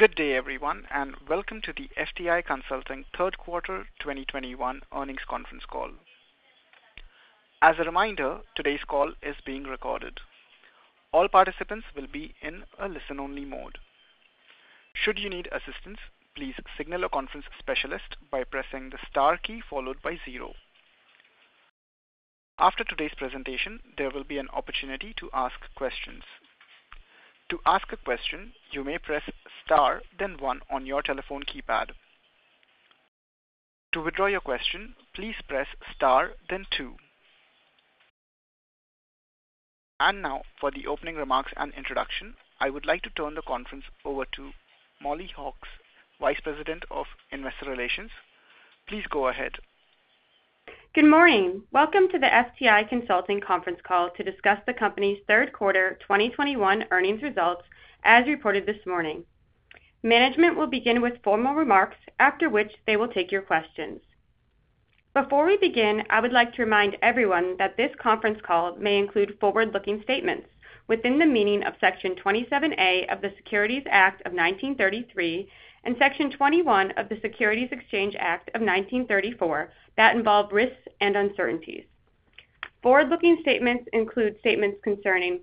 Good day, everyone, and welcome to the FTI Consulting third quarter 2021 earnings conference call. As a reminder, today's call is being recorded. All participants will be in a listen-only mode. Should you need assistance, please signal a conference specialist by pressing the star key followed by zero. After today's presentation, there will be an opportunity to ask questions. To ask a question, you may press star then one on your telephone keypad. To withdraw your question, please press star then two. Now for the opening remarks and introduction, I would like to turn the conference over to Mollie Hawkes, Vice President of Investor Relations. Please go ahead. Good morning. Welcome to the FTI Consulting conference call to discuss the company's third quarter 2021 earnings results as reported this morning. Management will begin with formal remarks, after which they will take your questions. Before we begin, I would like to remind everyone that this conference call may include forward-looking statements within the meaning of Section 27A of the Securities Act of 1933 and Section 21E of the Securities Exchange Act of 1934 that involve risks and uncertainties. Forward-looking statements include statements concerning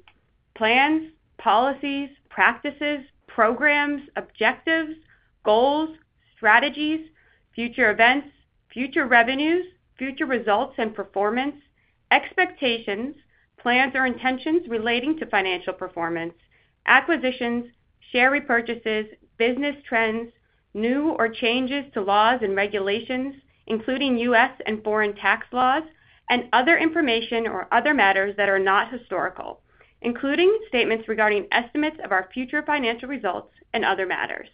plans, policies, practices, programs, objectives, goals, strategies, future events, future revenues, future results and performance, expectations, plans or intentions relating to financial performance, acquisitions, share repurchases, business trends, new or changes to laws and regulations, including U.S. and foreign tax laws and other information or other matters that are not historical, including statements regarding estimates of our future financial results and other matters.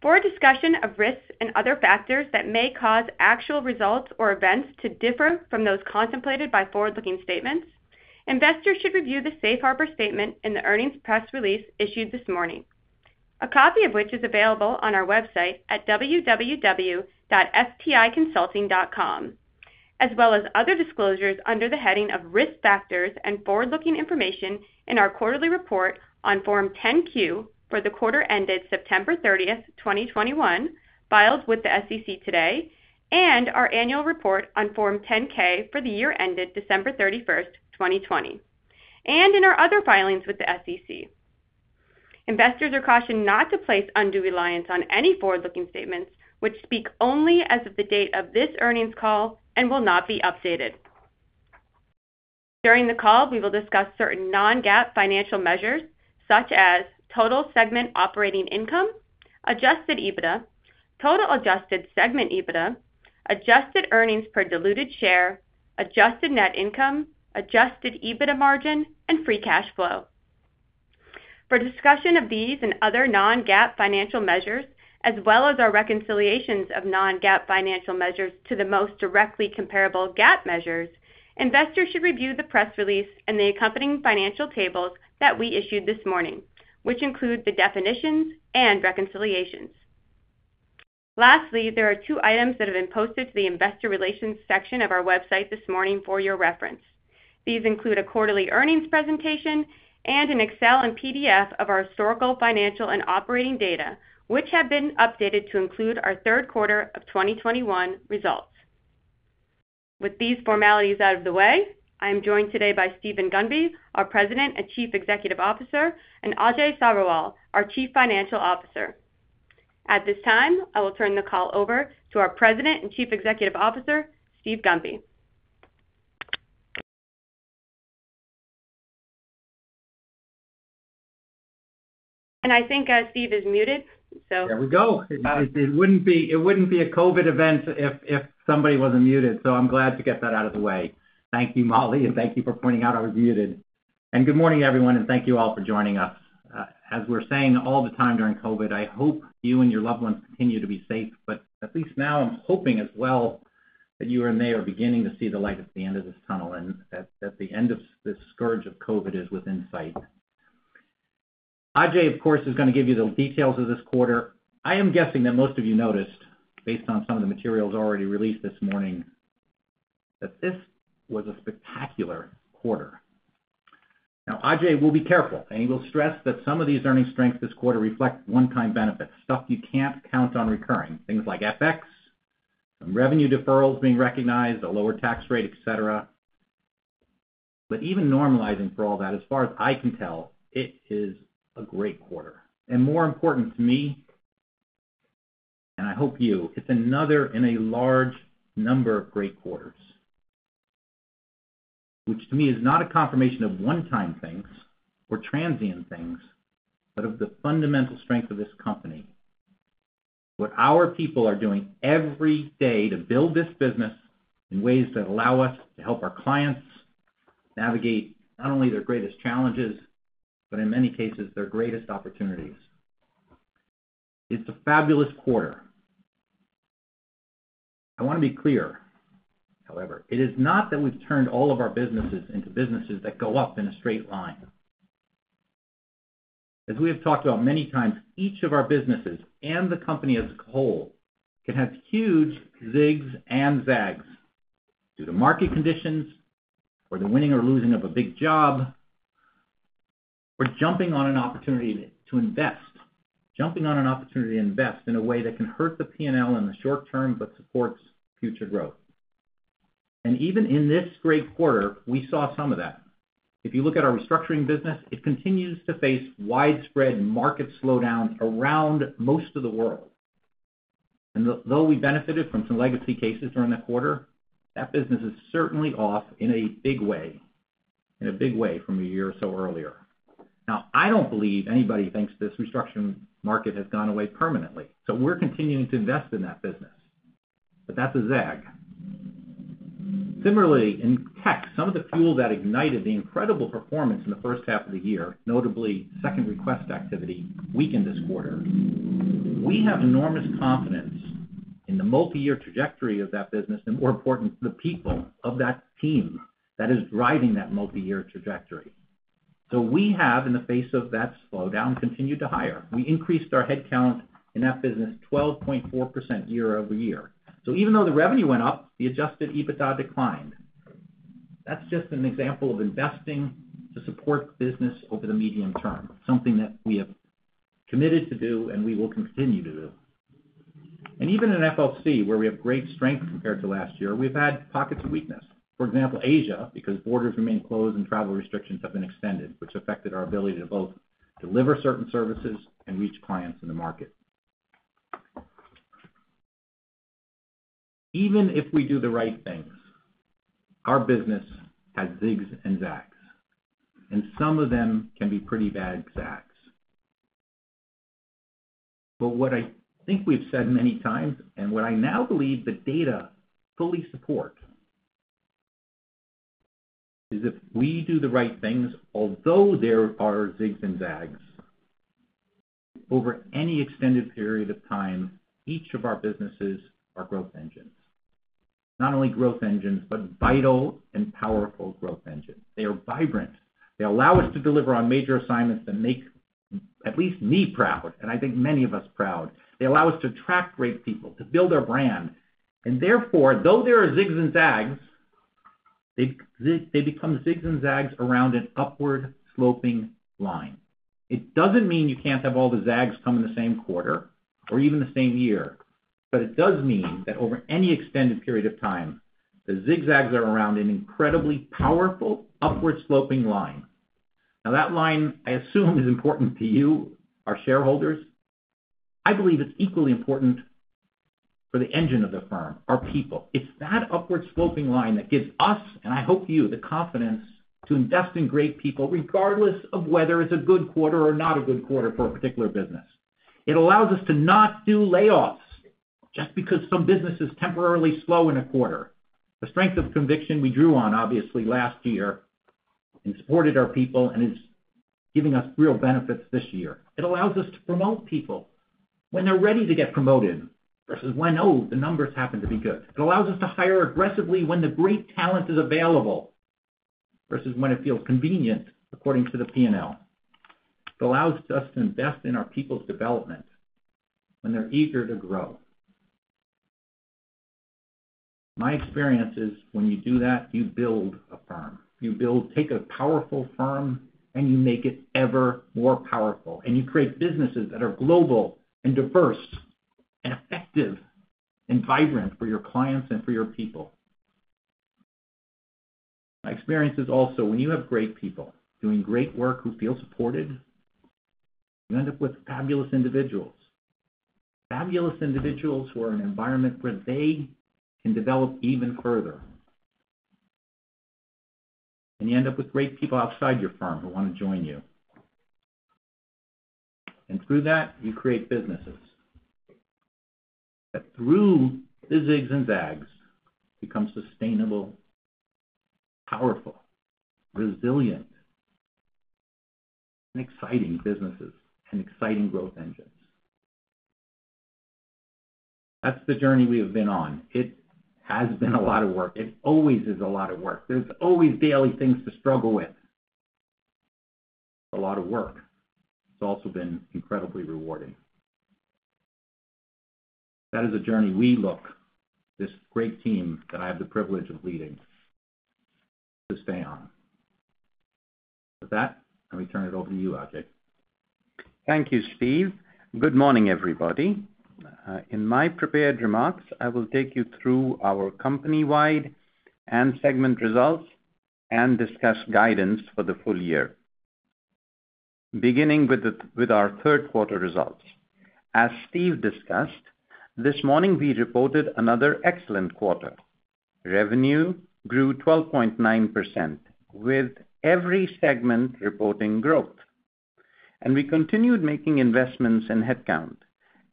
For a discussion of risks and other factors that may cause actual results or events to differ from those contemplated by forward-looking statements, investors should review the safe harbor statement in the earnings press release issued this morning, a copy of which is available on our website at www.fticonsulting.com, as well as other disclosures under the heading of Risk Factors and Forward-Looking Information in our quarterly report on Form 10-Q for the quarter ended September 30th, 2021, filed with the SEC today, and our annual report on Form 10-K for the year ended December 31st, 2020, and in our other filings with the SEC. Investors are cautioned not to place undue reliance on any forward-looking statements which speak only as of the date of this earnings call and will not be updated. During the call, we will discuss certain non-GAAP financial measures such as total segment operating income, adjusted EBITDA, total adjusted segment EBITDA, adjusted earnings per diluted share, adjusted net income, adjusted EBITDA margin and free cash flow. For discussion of these and other non-GAAP financial measures, as well as our reconciliations of non-GAAP financial measures to the most directly comparable GAAP measures, investors should review the press release and the accompanying financial tables that we issued this morning, which include the definitions and reconciliations. Lastly, there are two items that have been posted to the investor relations section of our website this morning for your reference. These include a quarterly earnings presentation and an Excel and PDF of our historical, financial, and operating data, which have been updated to include our third quarter of 2021 results. With these formalities out of the way, I am joined today by Steven Gunby, our President and Chief Executive Officer, and Ajay Sabherwal, our Chief Financial Officer. At this time, I will turn the call over to our President and Chief Executive Officer, Steve Gunby. I think, Steve is muted, so. There we go. It wouldn't be a COVID event if somebody wasn't muted, so I'm glad to get that out of the way. Thank you, Mollie, and thank you for pointing out I was muted. Good morning, everyone, and thank you all for joining us. As we're saying all the time during COVID, I hope you and your loved ones continue to be safe, but at least now I'm hoping as well that you and they are beginning to see the light at the end of this tunnel and that the end of this scourge of COVID is within sight. Ajay, of course, is gonna give you the details of this quarter. I am guessing that most of you noticed, based on some of the materials already released this morning, that this was a spectacular quarter. Now, Ajay will be careful, and he will stress that some of these earnings strengths this quarter reflect one-time benefits, stuff you can't count on recurring, things like FX, some revenue deferrals being recognized, a lower tax rate, et cetera. Even normalizing for all that, as far as I can tell, it is a great quarter. More important to me, and I hope you, it's another in a large number of great quarters, which to me is not a confirmation of one-time things or transient things, but of the fundamental strength of this company. What our people are doing every day to build this business in ways that allow us to help our clients navigate not only their greatest challenges, but in many cases, their greatest opportunities. It's a fabulous quarter. I wanna be clear, however. It is not that we've turned all of our businesses into businesses that go up in a straight line. As we have talked about many times, each of our businesses and the company as a whole can have huge zigs and zags due to market conditions or the winning or losing of a big job, or jumping on an opportunity to invest in a way that can hurt the P&L in the short term, but supports future growth. Even in this great quarter, we saw some of that. If you look at our restructuring business, it continues to face widespread market slowdown around most of the world. Though we benefited from some legacy cases during the quarter, that business is certainly off in a big way from a year or so earlier. Now, I don't believe anybody thinks this restructuring market has gone away permanently, so we're continuing to invest in that business; that's a zag. Similarly, in tech, some of the fuel that ignited the incredible performance in the first half of the year, notably second request activity, weakened this quarter. We have enormous confidence in the multiyear trajectory of that business, and more important, the people of that team that is driving that multiyear trajectory. We have, in the face of that slowdown, continued to hire. We increased our headcount in that business 12.4% year-over-year. Even though the revenue went up, the adjusted EBITDA declined. That's just an example of investing to support the business over the medium term, something that we have committed to do and we will continue to do. Even in FLC, where we have great strength compared to last year, we've had pockets of weakness. For example, Asia, because borders remain closed and travel restrictions have been extended, which affected our ability to both deliver certain services and reach clients in the market. Even if we do the right things, our business has zigs and zags, and some of them can be pretty bad zags. What I think we've said many times, and what I now believe the data fully support, is if we do the right things, although there are zigs and zags, over any extended period of time, each of our businesses are growth engines. Not only growth engines, but vital and powerful growth engines. They are vibrant. They allow us to deliver on major assignments that make at least me proud, and I think many of us proud. They allow us to attract great people, to build our brand. Therefore, though there are zigs and zags, they become zigs and zags around an upward sloping line. It doesn't mean you can't have all the zags come in the same quarter or even the same year. It does mean that over any extended period of time, the zigzags are around an incredibly powerful upward sloping line. Now, that line, I assume, is important to you, our shareholders. I believe it's equally important for the engine of the firm, our people. It's that upward sloping line that gives us, and I hope you, the confidence to invest in great people, regardless of whether it's a good quarter or not a good quarter for a particular business. It allows us to not do layoffs just because some business is temporarily slow in a quarter. The strength of conviction we drew on, obviously, last year and supported our people and is giving us real benefits this year. It allows us to promote people when they're ready to get promoted versus when, oh, the numbers happen to be good. It allows us to hire aggressively when the great talent is available versus when it feels convenient according to the P&L. It allows us to invest in our people's development when they're eager to grow. My experience is when you do that, you build a firm. Take a powerful firm, and you make it ever more powerful, and you create businesses that are global and diverse and effective and vibrant for your clients and for your people. My experience is also when you have great people doing great work who feel supported, you end up with fabulous individuals who are in an environment where they can develop even further. You end up with great people outside your firm who want to join you. Through that, you create businesses that through the zigs and zags become sustainable, powerful, resilient and exciting businesses and exciting growth engines. That's the journey we have been on. It has been a lot of work. It always is a lot of work. There's always daily things to struggle with. A lot of work. It's also been incredibly rewarding. That is a journey we look, this great team that I have the privilege of leading, to stay on. With that, let me turn it over to you, Ajay. Thank you, Steve. Good morning, everybody. In my prepared remarks, I will take you through our company-wide and segment results and discuss guidance for the full year. Beginning with our third quarter results. As Steve discussed this morning, we reported another excellent quarter. Revenue grew 12.9%, with every segment reporting growth. We continued making investments in headcount,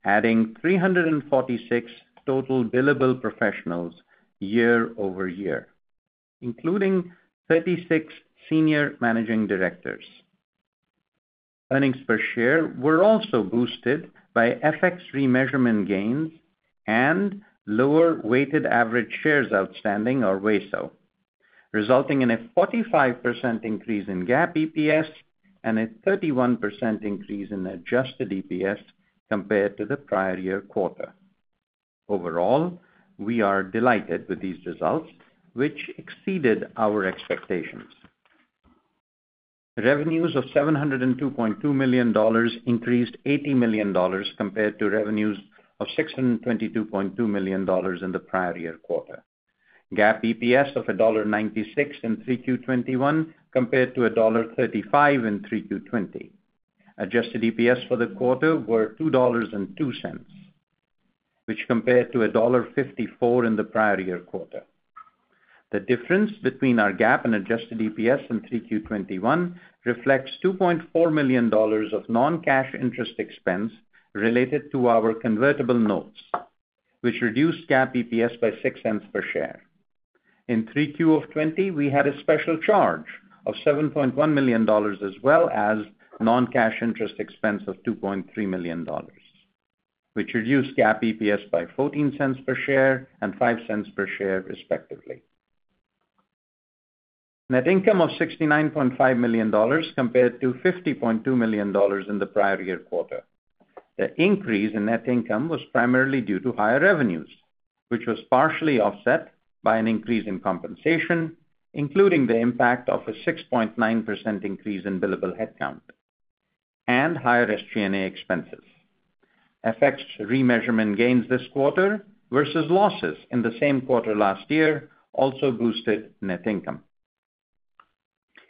adding 346 total billable professionals year-over-year, including 36 senior managing directors. Earnings per share were also boosted by FX remeasurement gains and lower weighted average shares outstanding, or WASO, resulting in a 45% increase in GAAP EPS and a 31% increase in adjusted EPS compared to the prior-year quarter. Overall, we are delighted with these results, which exceeded our expectations. Revenues of $702.2 million increased $80 million compared to revenues of $622.2 million in the prior-year quarter. GAAP EPS of $1.96 in 3Q 2021 compared to $1.35 in 3Q 2020. Adjusted EPS for the quarter were $2.02, which compared to $1.54 in the prior-year quarter. The difference between our GAAP and adjusted EPS in 3Q 2021 reflects $2.4 million of non-cash interest expense related to our convertible notes, which reduced GAAP EPS by $0.06 per share. In 3Q of 2020, we had a special charge of $7.1 million, as well as non-cash interest expense of $2.3 million, which reduced GAAP EPS by $0.14 per share and $0.05 per share, respectively. Net income of $69.5 million compared to $50.2 million in the prior-year quarter. The increase in net income was primarily due to higher revenues, which was partially offset by an increase in compensation, including the impact of a 6.9% increase in billable headcount and higher SG&A expenses. FX remeasurement gains this quarter versus losses in the same quarter last year also boosted net income.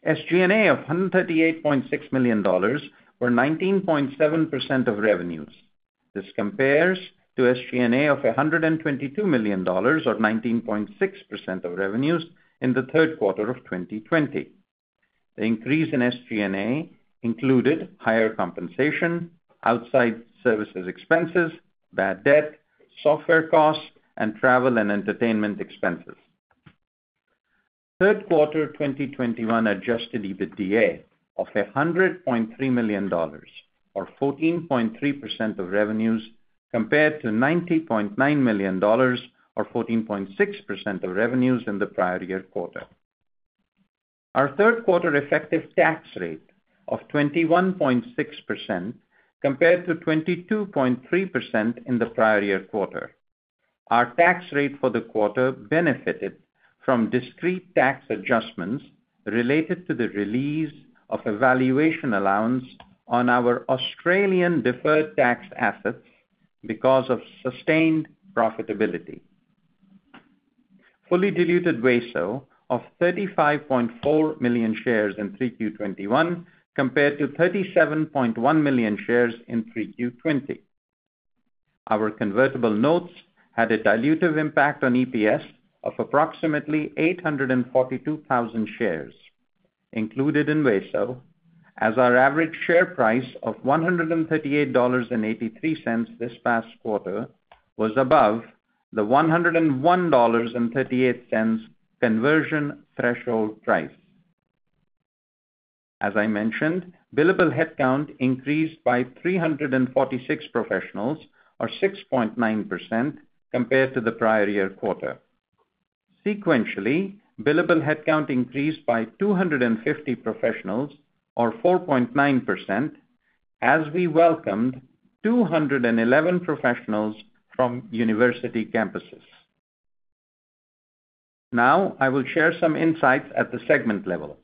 SG&A of $138.6 million or 19.7% of revenues. This compares to SG&A of $122 million or 19.6% of revenues in the third quarter of 2020. The increase in SG&A included higher compensation, outside services expenses, bad debt, software costs, and travel and entertainment expenses. Third quarter 2021 adjusted EBITDA of $100.3 million or 14.3% of revenues compared to $90.9 million or 14.6% of revenues in the prior-year quarter. Our third quarter effective tax rate of 21.6% compared to 22.3% in the prior-year quarter. Our tax rate for the quarter benefited from discrete tax adjustments related to the release of a valuation allowance on our Australian deferred tax assets because of sustained profitability. Fully diluted WASO of 35.4 million shares in 3Q 2021 compared to 37.1 million shares in 3Q 2020. Our convertible notes had a dilutive impact on EPS of approximately 842,000 shares included in WASO as our average share price of $138.83 this past quarter was above the $101.38 conversion threshold price. As I mentioned, billable headcount increased by 346 professionals or 6.9% compared to the prior-year quarter. Sequentially, billable headcount increased by 250 professionals or 4.9% as we welcomed 211 professionals from university campuses. Now I will share some insights at the segment level.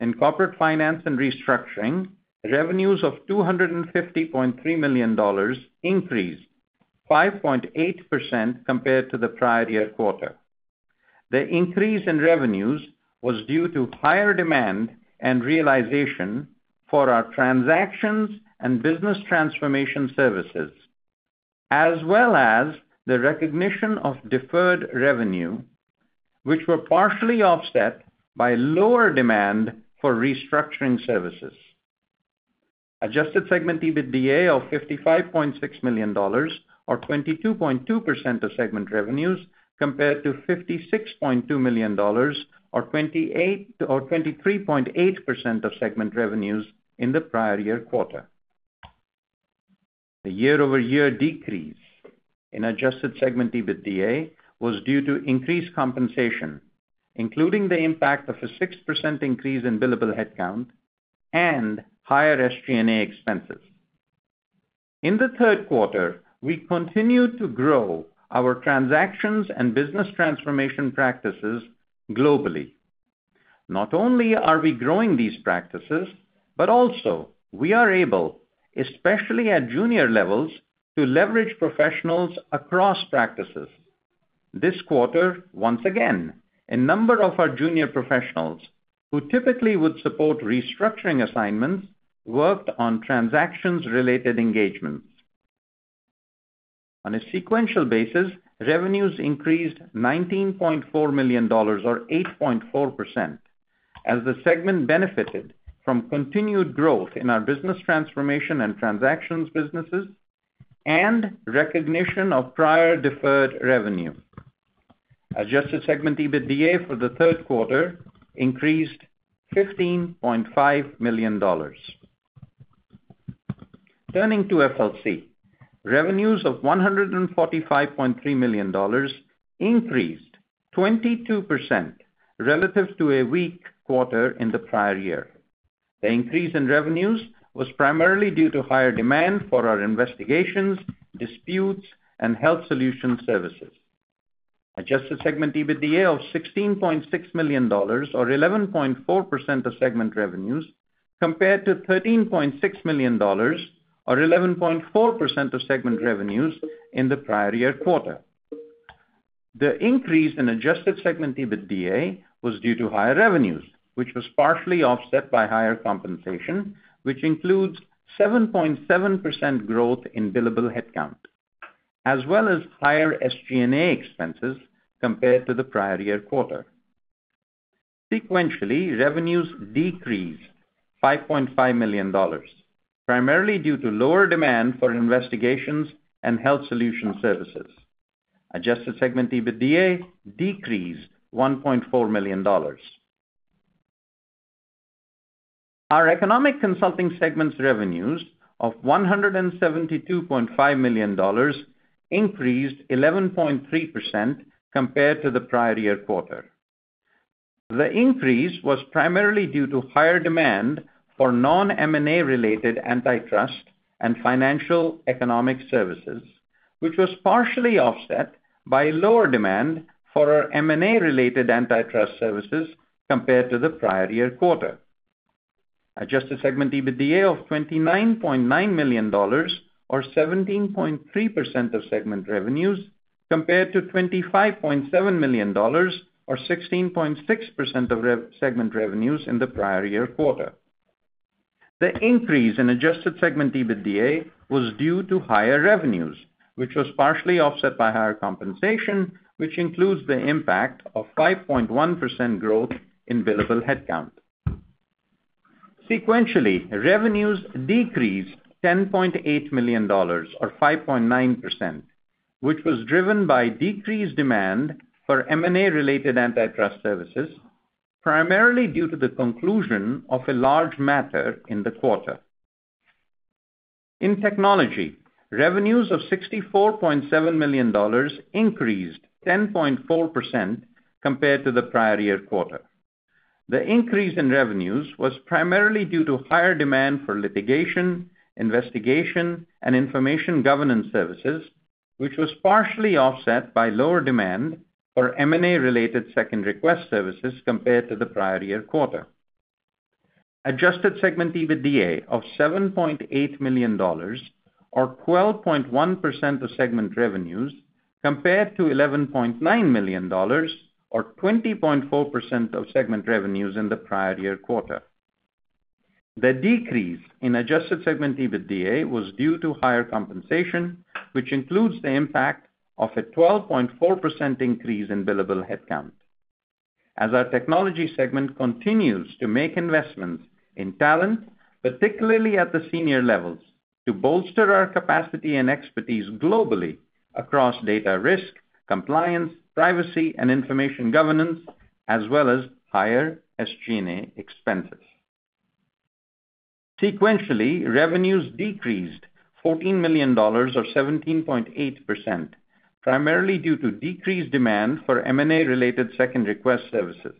In Corporate Finance & Restructuring, revenues of $250.3 million increased 5.8% compared to the prior-year quarter. The increase in revenues was due to higher demand and realization for our transactions and business transformation services, as well as the recognition of deferred revenue, which were partially offset by lower demand for restructuring services. Adjusted segment EBITDA of $55.6 million or 22.2% of segment revenues compared to $56.2 million or 23.8% of segment revenues in the prior-year quarter. The year-over-year decrease in adjusted segment EBITDA was due to increased compensation, including the impact of a 6% increase in billable headcount and higher SG&A expenses. In the third quarter, we continued to grow our transactions and business transformation practices globally. Not only are we growing these practices, but also we are able, especially at junior levels, to leverage professionals across practices. This quarter, once again, a number of our junior professionals who typically would support restructuring assignments worked on transactions-related engagements. On a sequential basis, revenues increased $19.4 million or 8.4% as the segment benefited from continued growth in our business transformation and transactions businesses and recognition of prior deferred revenue. Adjusted segment EBITDA for the third quarter increased $15.5 million. Turning to FLC, revenues of $145.3 million increased 22% relative to a weak quarter in the prior year. The increase in revenues was primarily due to higher demand for our investigations, disputes, and health solution services. Adjusted segment EBITDA of $16.6 million or 11.4% of segment revenues compared to $13.6 million or 11.4% of segment revenues in the prior-year quarter. The increase in adjusted segment EBITDA was due to higher revenues, which was partially offset by higher compensation, which includes 7.7% growth in billable headcount, as well as higher SG&A expenses compared to the prior-year quarter. Sequentially, revenues decreased $5.5 million, primarily due to lower demand for investigations and health solution services. Adjusted segment EBITDA decreased $1.4 million. Our Economic Consulting segment's revenues of $172.5 million increased 11.3% compared to the prior-year quarter. The increase was primarily due to higher demand for non-M&A-related antitrust and financial economic services, which was partially offset by lower demand for our M&A-related antitrust services compared to the prior-year quarter. Adjusted segment EBITDA of $29.9 million or 17.3% of segment revenues compared to $25.7 million or 16.6% of segment revenues in the prior-year quarter. The increase in adjusted segment EBITDA was due to higher revenues, which was partially offset by higher compensation, which includes the impact of 5.1% growth in billable headcount. Sequentially, revenues decreased $10.8 million or 5.9%, which was driven by decreased demand for M&A-related antitrust services, primarily due to the conclusion of a large matter in the quarter. In Technology, revenues of $64.7 million increased 10.4% compared to the prior-year quarter. The increase in revenues was primarily due to higher demand for litigation, investigation, and information governance services, which was partially offset by lower demand for M&A-related second request services compared to the prior-year quarter. Adjusted segment EBITDA of $7.8 million or 12.1% of segment revenues compared to $11.9 million or 20.4% of segment revenues in the prior-year quarter. The decrease in adjusted segment EBITDA was due to higher compensation, which includes the impact of a 12.4% increase in billable headcount as our Technology segment continues to make investments in talent, particularly at the senior levels, to bolster our capacity and expertise globally across data risk, compliance, privacy, and information governance, as well as higher SG&A expenses. Sequentially, revenues decreased $14 million or 17.8%, primarily due to decreased demand for M&A-related second request services.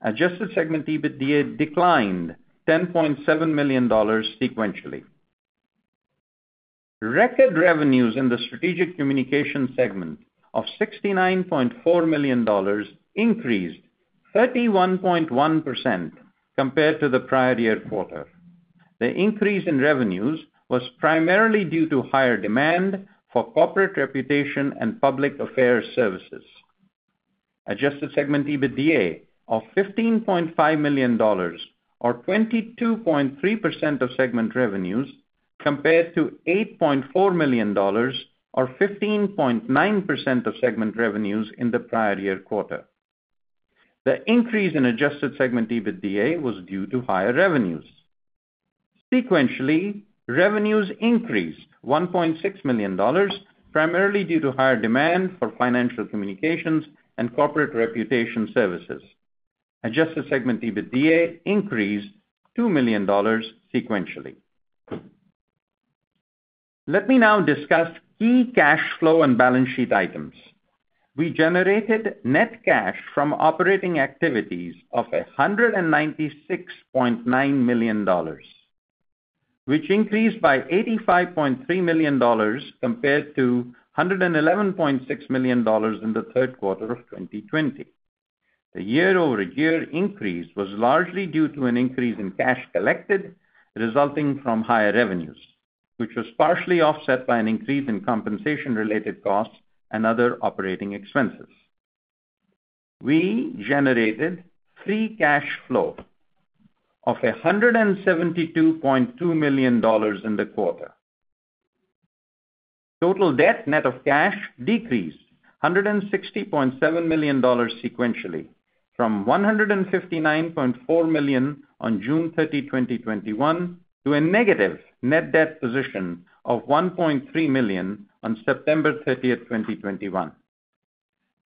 Adjusted segment EBITDA declined $10.7 million sequentially. Record revenues in the Strategic Communications segment of $69.4 million increased 31.1% compared to the prior-year quarter. The increase in revenues was primarily due to higher demand for corporate reputation and public affairs services. Adjusted segment EBITDA of $15.5 million or 22.3% of segment revenues compared to $8.4 million or 15.9% of segment revenues in the prior-year quarter. The increase in adjusted segment EBITDA was due to higher revenues. Sequentially, revenues increased $1.6 million, primarily due to higher demand for financial communications and corporate reputation services. Adjusted segment EBITDA increased $2 million sequentially. Let me now discuss key cash flow and balance sheet items. We generated net cash from operating activities of $196.9 million, which increased by $85.3 million compared to hundred and eleven point six million dollars in the third quarter of 2020. The year-over-year increase was largely due to an increase in cash collected resulting from higher revenues, which was partially offset by an increase in compensation-related costs and other OpEx. We generated free cash flow of $172.2 million in the quarter. Total debt net of cash decreased $160.7 million sequentially from $159.4 million on June 30, 2021, to a negative net debt position of $1.3 million on September 30th, 2021.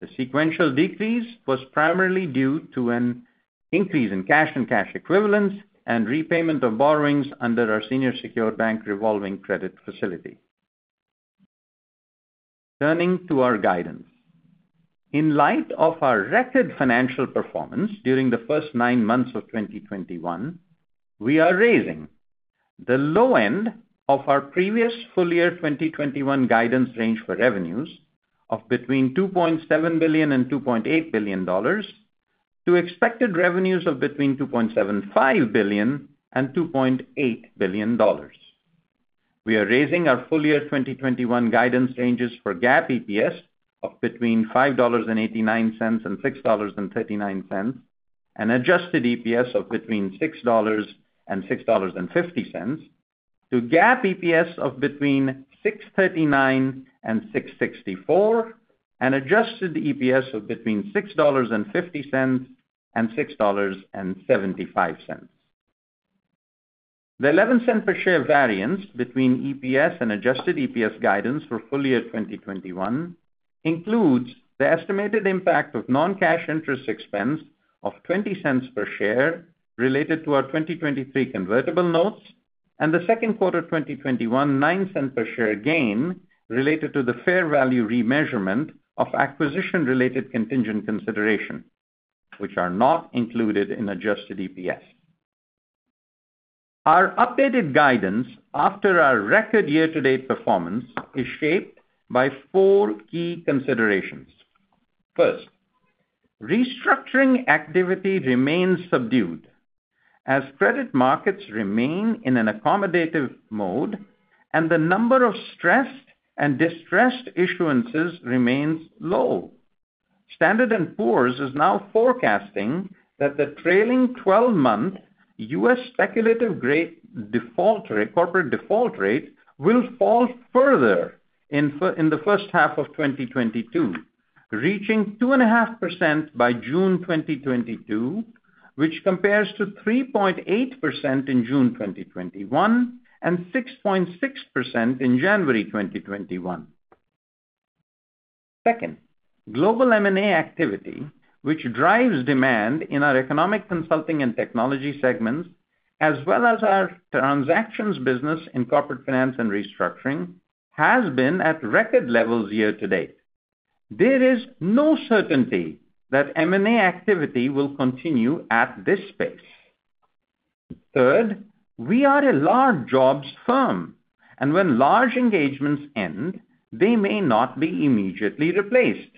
The sequential decrease was primarily due to an increase in cash and cash equivalents and repayment of borrowings under our senior secured bank revolving credit facility. Turning to our guidance. In light of our record financial performance during the first nine months of 2021, we are raising the low end of our previous full year 2021 guidance range for revenues of between $2.7 billion and $2.8 billion to expected revenues of between $2.75 billion and $2.8 billion. We are raising our full year 2021 guidance ranges for GAAP EPS of between $5.89 and $6.39, and adjusted EPS of between $6 and $6.50 to GAAP EPS of between $6.39 and $6.64, and adjusted EPS of between $6.50 and $6.75. The $0.11 per share variance between EPS and adjusted EPS guidance for full year 2021 includes the estimated impact of non-cash interest expense of $0.20 per share related to our 2023 Convertible Notes and the second quarter 2021 $0.09 per share gain related to the fair value remeasurement of acquisition-related contingent consideration, which are not included in adjusted EPS. Our updated guidance after our record year-to-date performance is shaped by four key considerations. First, restructuring activity remains subdued as credit markets remain in an accommodative mode and the number of stressed and distressed issuances remains low. Standard & Poor's is now forecasting that the trailing 12-month U.S. speculative grade default rate, corporate default rate will fall further in the first half of 2022, reaching 2.5% by June 2022, which compares to 3.8% in June 2021 and 6.6% in January 2021. Second, global M&A activity, which drives demand in our Economic Consulting and Technology segments, as well as our transactions business in Corporate Finance & Restructuring, has been at record levels year-to-date. There is no certainty that M&A activity will continue at this pace. Third, we are a large jobs firm, and when large engagements end, they may not be immediately replaced.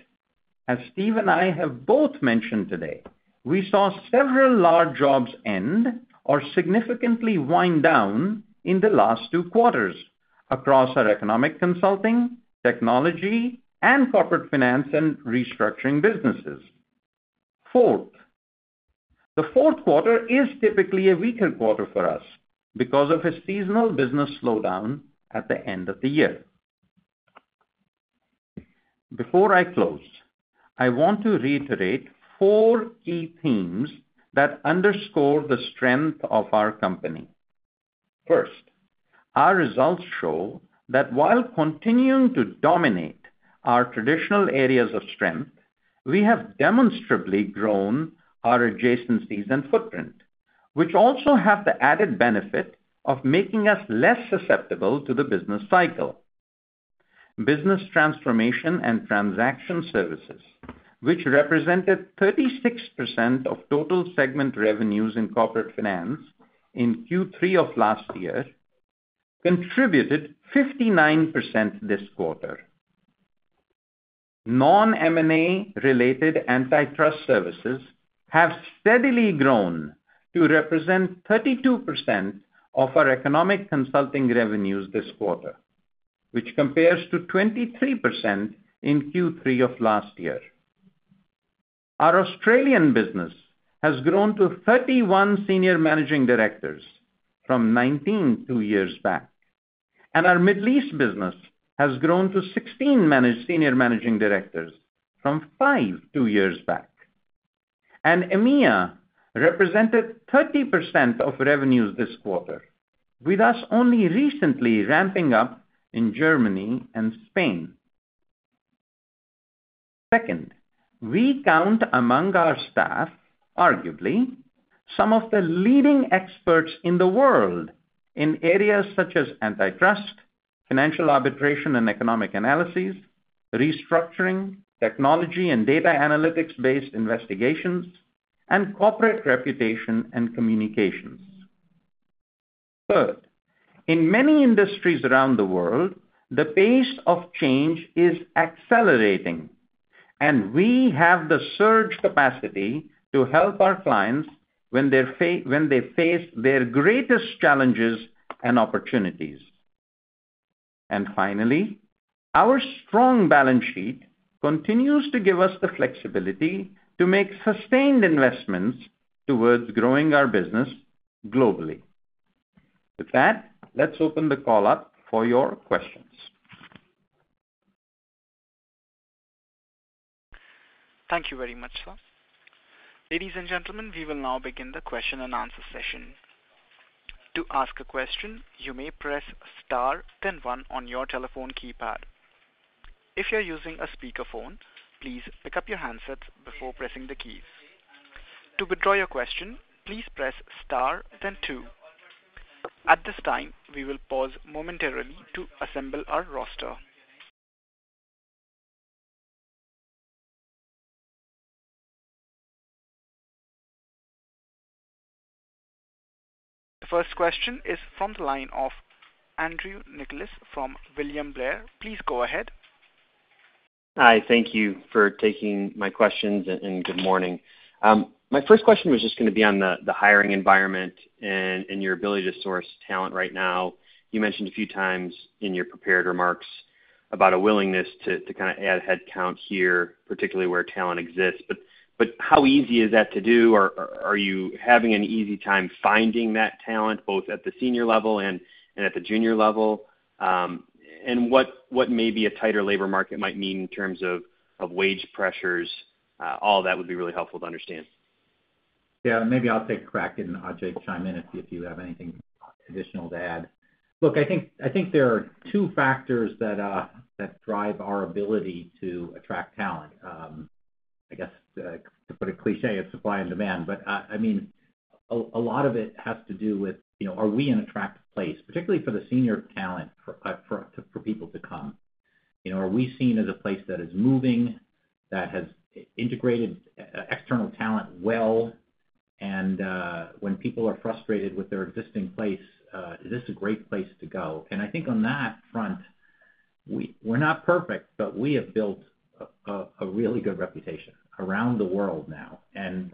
As Steve and I have both mentioned today, we saw several large jobs end or significantly wind down in the last two quarters across our Economic Consulting, Technology, and Corporate Finance & Restructuring businesses. Fourth, the fourth quarter is typically a weaker quarter for us because of a seasonal business slowdown at the end of the year. Before I close, I want to reiterate four key themes that underscore the strength of our company. First, our results show that while continuing to dominate our traditional areas of strength, we have demonstrably grown our adjacencies and footprint, which also have the added benefit of making us less susceptible to the business cycle. Business transformation and transaction services, which represented 36% of total segment revenues in Corporate Finance in Q3 of last year, contributed 59% this quarter. Non-M&A-related antitrust services have steadily grown to represent 32% of our Economic Consulting revenues this quarter, which compares to 23% in Q3 of last year. Our Australian business has grown to 31 senior managing directors from 19, two years back, and our Middle East business has grown to 16 senior managing directors from 5, two years back. EMEA represented 30% of revenues this quarter, with us only recently ramping up in Germany and Spain. Second, we count among our staff, arguably, some of the leading experts in the world in areas such as antitrust, financial arbitration and economic analyses, restructuring, technology and data analytics-based investigations, and corporate reputation and communications. Third, in many industries around the world, the pace of change is accelerating, and we have the surge capacity to help our clients when they face their greatest challenges and opportunities. Finally, our strong balance sheet continues to give us the flexibility to make sustained investments towards growing our business globally. With that, let's open the call up for your questions. Thank you very much, sir. Ladies and gentlemen, we will now begin the question-and-answer session. To ask a question, you may press star, then one on your telephone keypad. If you're using a speakerphone, please pick up your handsets before pressing the keys. To withdraw your question, please press star, then two. At this time, we will pause momentarily to assemble our roster. The first question is from the line of Andrew Nicholas from William Blair. Please go ahead. Hi. Thank you for taking my questions and Good morning. My first question was just gonna be on the hiring environment and your ability to source talent right now. You mentioned a few times in your prepared remarks about a willingness to kinda add headcount here, particularly where talent exists. How easy is that to do, or are you having an easy time finding that talent, both at the senior level and at the junior level? What maybe a tighter labor market might mean in terms of wage pressures, all that would be really helpful to understand? Yeah. Maybe I'll take a crack and Ajay, chime in if you have anything additional to add. Look, I think there are two factors that drive our ability to attract talent. I guess to put a cliché of supply and demand. I mean, a lot of it has to do with, you know, are we in a attractive place, particularly for the senior talent for people to come? You know, are we seen as a place that is moving, that has integrated external talent well, and when people are frustrated with their existing place, is this a great place to go? I think on that front, we're not perfect, but we have built a really good reputation around the world now.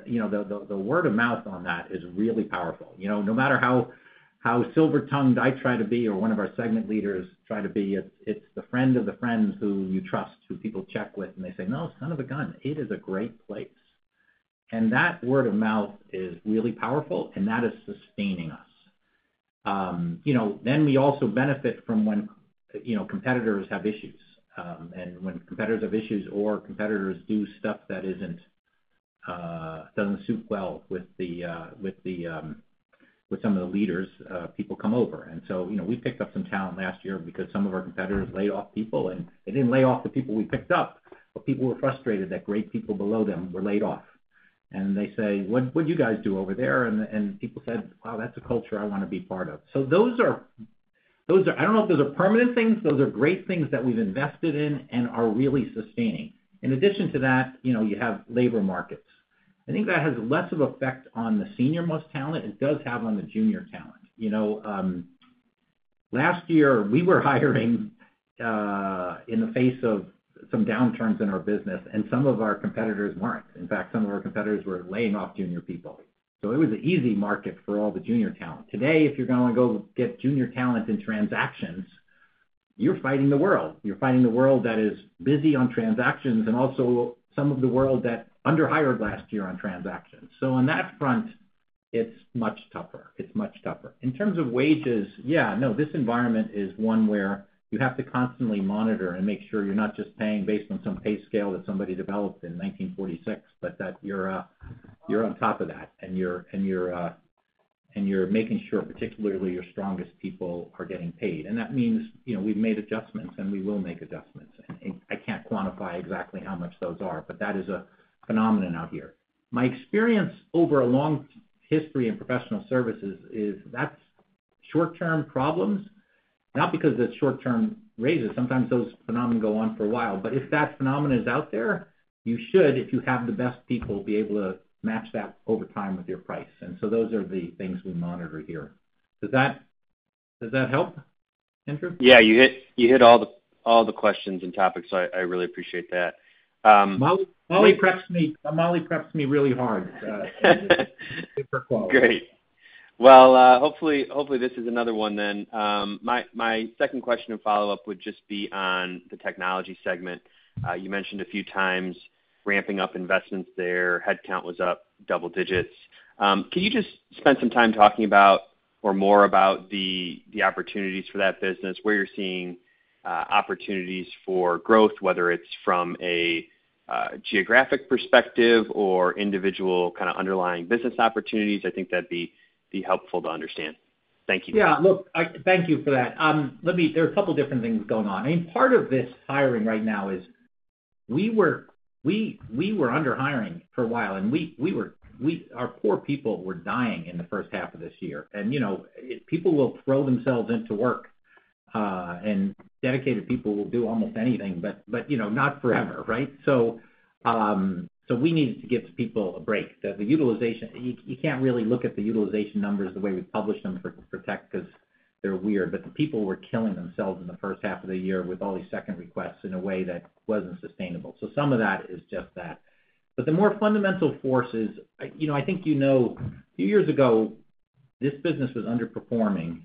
You know, the word of mouth on that is really powerful. You know, no matter how silver-tongued I try to be or one of our segment leaders try to be, it's the friend of the friends who you trust, who people check with, and they say, "No, son of a gun, it is a great place." That word of mouth is really powerful, and that is sustaining us. You know, we also benefit from when, you know, competitors have issues. When competitors have issues or competitors do stuff that doesn't suit well with some of the leaders, people come over. You know, we picked up some talent last year because some of our competitors laid off people, and they didn't lay off the people we picked up, but people were frustrated that great people below them were laid off. They say, "What you guys do over there?" People said, "Wow, that's a culture I wanna be part of." Those are—I don't know if those are permanent things. Those are great things that we've invested in and are really sustaining. In addition to that, you know, you have labor markets. I think that has less of effect on the senior-most talent—it does have on the junior talent. You know, last year, we were hiring in the face of some downturns in our business, and some of our competitors weren't. In fact, some of our competitors were laying off junior people. It was an easy market for all the junior talent. Today, if you're gonna go get junior talent in transactions, you're fighting the world. You're fighting the world that is busy on transactions and also some of the world that underhired last year on transactions. On that front, it's much tougher. In terms of wages, yeah, no, this environment is one where you have to constantly monitor and make sure you're not just paying based on some pay scale that somebody developed in 1946, but that you're on top of that, and you're making sure, particularly your strongest people are getting paid. That means, you know, we've made adjustments, and we will make adjustments. I can't quantify exactly how much those are, but that is a phenomenon out here. My experience over a long history in professional services is that's short-term problems, not because it's short-term raises. Sometimes those phenomena go on for a while. If that phenomenon is out there, you should, if you have the best people, be able to match that over time with your price. Those are the things we monitor here. Does that help, Andrew? Yeah. You hit all the questions and topics. I really appreciate that. Mollie preps me really hard. Great. Well, hopefully, this is another one then. My second question and follow-up would just be on the Technology segment. You mentioned a few times ramping up investments there. Headcount was up double digits. Can you just spend some time talking about or more about the opportunities for that business, where you're seeing opportunities for growth, whether it's from a geographic perspective or individual kinda underlying business opportunities? I think that'd be helpful to understand. Thank you. Yeah. Look, thank you for that. There are a couple different things going on. I mean, part of this hiring right now is we were underhiring for a while, and our poor people were dying in the first half of this year. You know, people will throw themselves into work, and dedicated people will do almost anything, but you know, not forever, right? We needed to give people a break. The utilization—you can't really look at the utilization numbers the way we publish them for Tech 'cause they're weird. But the people were killing themselves in the first half of the year with all these second requests in a way that wasn't sustainable. Some of that is just that. The more fundamental force is, you know, I think you know a few years ago, this business was underperforming,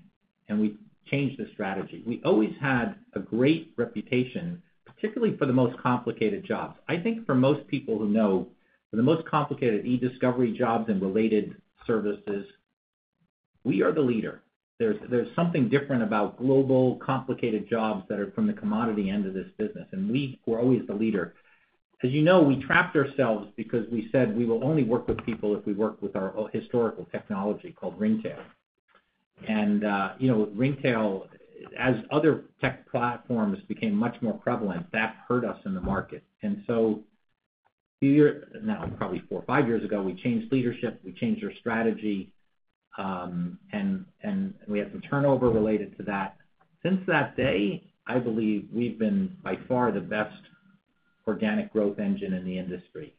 and we changed the strategy. We always had a great reputation, particularly for the most complicated jobs. I think for most people who know, for the most complicated e-discovery jobs and related services, we are the leader. There's something different about global complicated jobs that are from the commodity end of this business, and we were always the leader. As you know, we trapped ourselves because we said we will only work with people if we work with our historical technology called Ringtail. You know, Ringtail, as other tech platforms became much more prevalent, that hurt us in the market. Now, probably four or five years ago, we changed leadership, we changed our strategy, and we had some turnover related to that. Since that day, I believe we've been by far the best organic growth engine in the industry.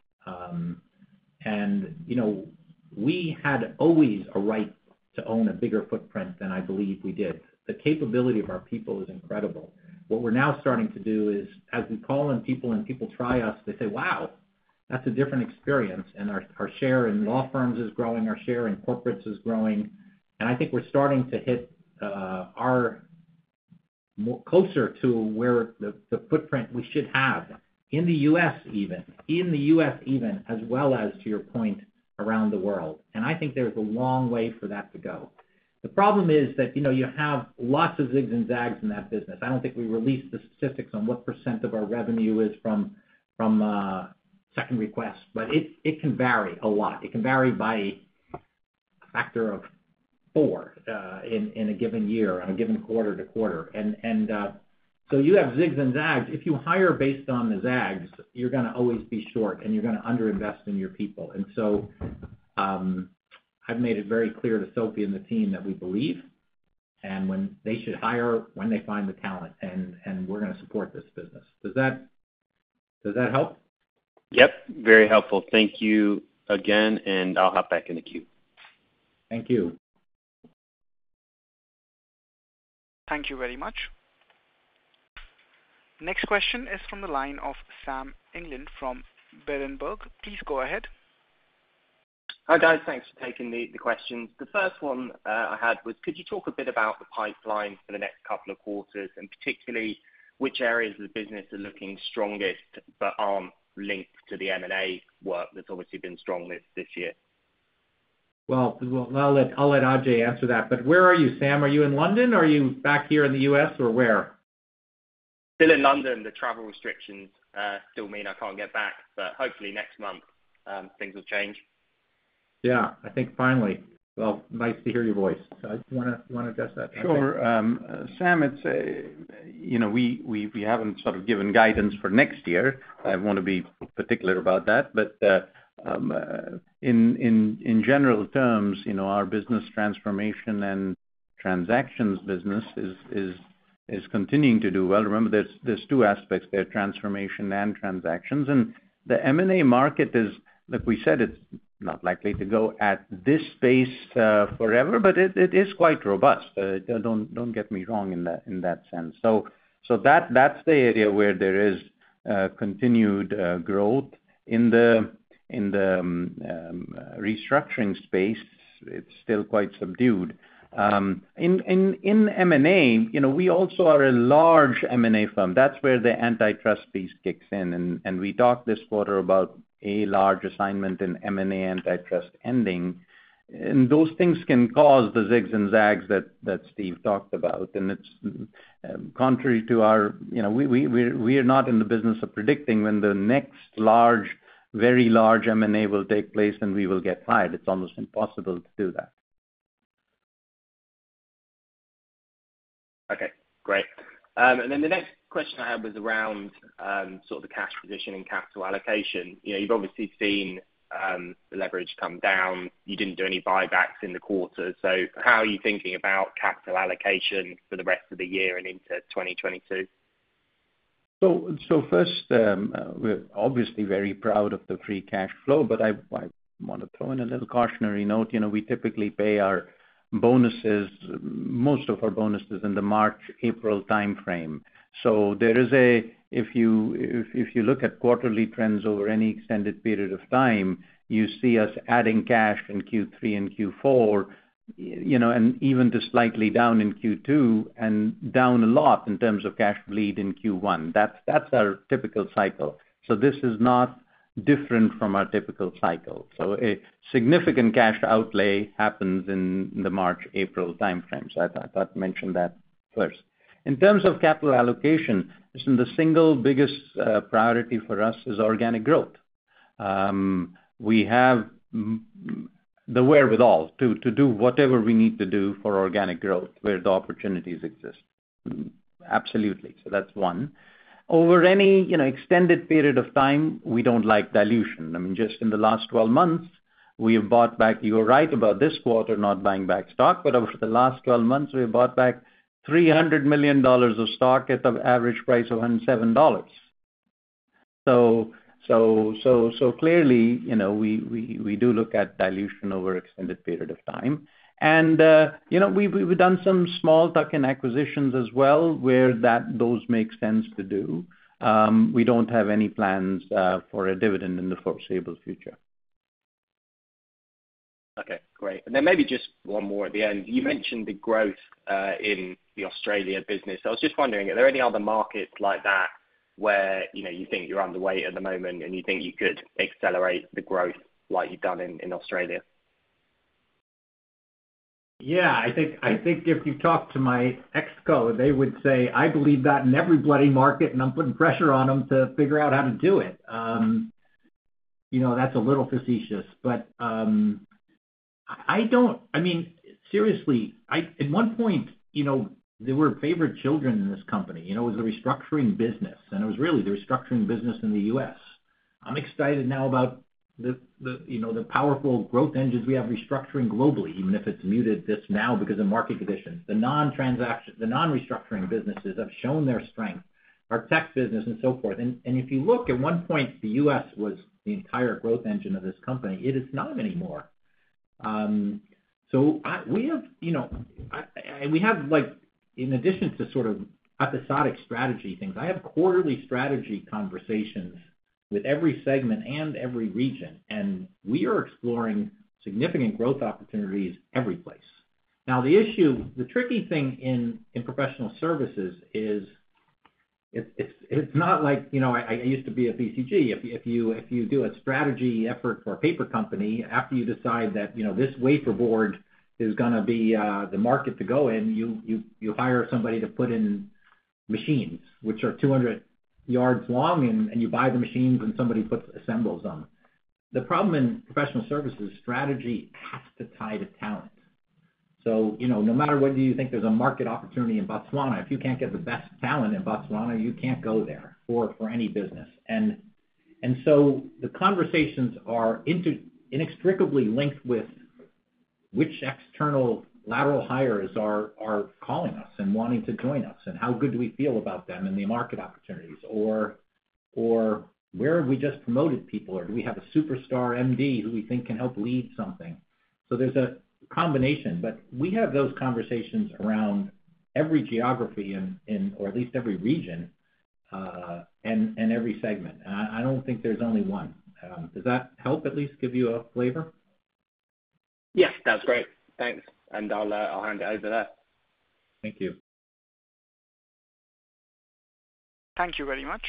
You know, we had always a right to own a bigger footprint than I believe we did. The capability of our people is incredible. What we're now starting to do is as we call in people and people try us, they say, "Wow, that's a different experience." Our share in law firms is growing, our share in corporates is growing. I think we're starting to hit closer to where the footprint we should have in the U.S. even, as well as to your point, around the world. I think there's a long way for that to go. The problem is that, you know, you have lots of zigs and zags in that business. I don't think we released the statistics on what percent of our revenue is from second requests. But it can vary a lot. It can vary by a factor of four in a given year, on a given quarter to quarter. You have zigs and zags. If you hire based on the zags, you're gonna always be short, and you're gonna under-invest in your people. I've made it very clear to Sophie and the team that we believe, and when they should hire when they find the talent, and we're gonna support this business. Does that help? Yep, very helpful. Thank you again, and I'll hop back in the queue. Thank you. Thank you very much. Next question is from the line of Sam England from Berenberg. Please go ahead. Hi, guys. Thanks for taking the questions. The first one I had was, could you talk a bit about the pipeline for the next couple of quarters, and particularly which areas of the business are looking strongest but aren't linked to the M&A work that's obviously been strongest this year? Well, I'll let Ajay answer that. Where are you, Sam? Are you in London? Are you back here in the U.S. or where? Still in London. The travel restrictions still mean I can't get back. Hopefully next month, things will change. Yeah. I think finally. Well, nice to hear your voice. Ajay, do you wanna address that? Sure. Sam, it's you know, we haven't sort of given guidance for next year. I want to be particular about that. In general terms, you know, our business transformation and transactions business is continuing to do well. Remember, there's two aspects there, transformation and transactions. The M&A market is, like we said, it's not likely to go at this pace forever. It is quite robust. Don't get me wrong in that sense. That's the area where there is continued growth. In the restructuring space, it's still quite subdued. In M&A, you know, we also are a large M&A firm. That's where the antitrust piece kicks in, and we talked this quarter about a large assignment in M&A antitrust ending. Those things can cause the zigs and zags that Steve talked about. It's contrary to our—you know, we're not in the business of predicting when the next large, very large M&A will take place, and we will get hired. It's almost impossible to do that. Okay. Great. The next question I had was around, sort of the cash position and capital allocation. You know, you've obviously seen, the leverage come down. You didn't do any buybacks in the quarter. How are you thinking about capital allocation for the rest of the year and into 2022? First, we're obviously very proud of the free cash flow, but I wanna throw in a little cautionary note. You know, we typically pay our bonuses, most of our bonuses in the March-April timeframe. If you look at quarterly trends over any extended period of time, you see us adding cash in Q3 and Q4, you know, and even just slightly down in Q2 and down a lot in terms of cash bleed in Q1. That's our typical cycle. This is not different from our typical cycle. A significant cash outlay happens in the March-April timeframe. I thought I'd mention that first. In terms of capital allocation, listen, the single biggest priority for us is organic growth. We have the wherewithal to do whatever we need to do for organic growth where the opportunities exist. Absolutely. That's one. Over any extended period of time, we don't like dilution. I mean, just in the last 12 months, we have bought back, you are right about this quarter not buying back stock, but over the last 12 months, we have bought back $300 million of stock at the average price of $107. So clearly, you know, we do look at dilution over extended period of time. You know, we've done some small tuck-in acquisitions as well where those make sense to do. We don't have any plans for a dividend in the foreseeable future. Okay. Great. Maybe just one more at the end. You mentioned the growth in the Australia business. I was just wondering, are there any other markets like that where, you know, you think you're underweight at the moment and you think you could accelerate the growth like you've done in Australia? Yeah, I think if you talk to my ExCo, they would say, I believe that in every bloody market, and I'm putting pressure on them to figure out how to do it. That's a little facetious, but I mean, seriously, at one point there were favorite children in this company. It was the Restructuring business, and it was really the Restructuring business in the U.S. I'm excited now about the powerful growth engines we have restructuring globally, even if it's muted just now because of market conditions. The non-Restructuring businesses have shown their strength, our Technology business and so forth. If you look, at one point, the U.S. was the entire growth engine of this company. It is not anymore. We have, you know, and we have like in addition to sort of episodic strategy things, I have quarterly strategy conversations with every segment and every region, and we are exploring significant growth opportunities every place. Now the issue, the tricky thing in professional services is it's not like, you know, I used to be at BCG. If you do a strategy effort for a paper company after you decide that, you know, this wafer board is gonna be the market to go in, you hire somebody to put in machines which are 200 yards long, and you buy the machines, and somebody assembles them. The problem in professional services strategy has to tie to talent. You know, no matter whether you think there's a market opportunity in Botswana, if you can't get the best talent in Botswana, you can't go there for any business. The conversations are inextricably linked with which external lateral hires are calling us and wanting to join us and how good do we feel about them and the market opportunities or where have we just promoted people, or do we have a superstar MD who we think can help lead something. There's a combination, but we have those conversations around every geography and or at least every region, and every segment. I don't think there's only one. Does that help at least give you a flavor? Yes. That's great. Thanks. I'll hand it over there. Thank you. Thank you very much.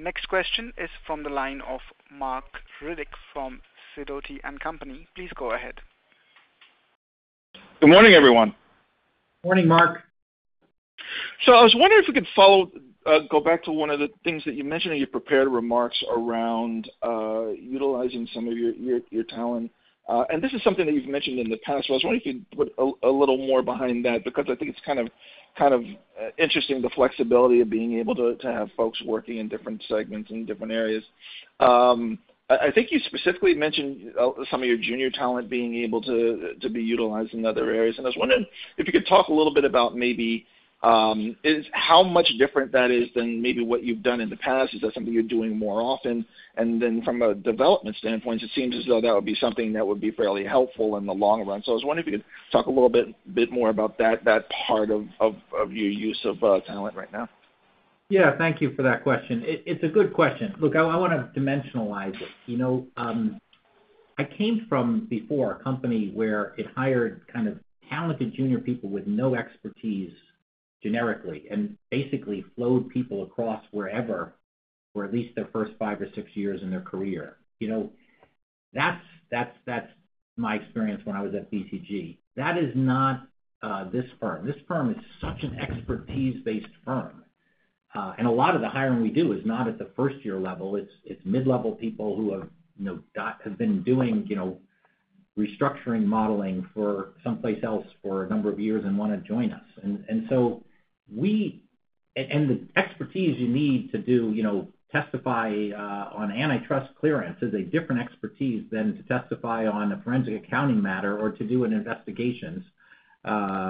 Next question is from the line of Marc Riddick from Sidoti & Company. Please go ahead. Good morning, everyone. Morning, Marc. I was wondering if we could go back to one of the things that you mentioned in your prepared remarks around utilizing some of your talent. This is something that you've mentioned in the past, so I was wondering if you'd put a little more behind that because I think it's kind of interesting, the flexibility of being able to have folks working in different segments in different areas. I think you specifically mentioned some of your junior talent being able to be utilized in other areas. I was wondering if you could talk a little bit about maybe is how much different that is than maybe what you've done in the past. Is that something you're doing more often? From a development standpoint, it seems as though that would be something that would be fairly helpful in the long run. I was wondering if you could talk a little bit more about that part of your use of talent right now. Yeah. Thank you for that question. It's a good question. Look, I wanna dimensionalize it. You know, I came from before a company where it hired kind of talented junior people with no expertise generically and basically flowed people across wherever for at least their first five or six years in their career. You know, that's my experience when I was at BCG. That is not this firm. This firm is such an expertise-based firm. A lot of the hiring we do is not at the first-year level. It's mid-level people who have, you know, have been doing, you know, restructuring modeling for someplace else for a number of years and wanna join us. The expertise you need to do, you know, testify on antitrust clearance is a different expertise than to testify on a forensic accounting matter or to do an investigation for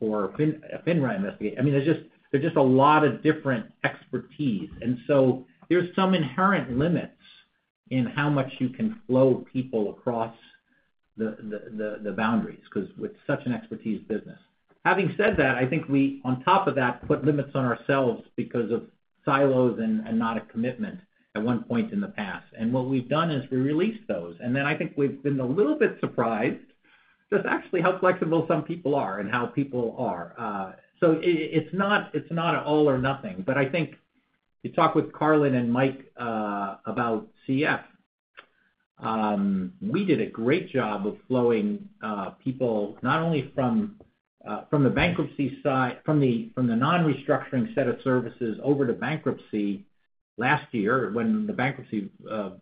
a FINRA investigation. I mean, there's just a lot of different expertise. There's some inherent limits in how much you can flow people across the boundaries 'cause with such an expertise business. Having said that, I think we, on top of that, put limits on ourselves because of silos and not a commitment at one point in the past. What we've done is we released those. I think we've been a little bit surprised just actually how flexible some people are and how people are. It's not an all or nothing, but I think you talk with Carlyn and Mike about CF. We did a great job of flowing people not only from the non-restructuring set of services over to bankruptcy last year when the bankruptcy